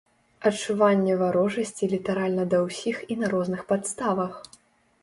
Адчуванне варожасці літаральна да ўсіх і на розных падставах.